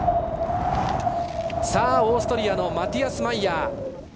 オーストリアのマティアス・マイヤー。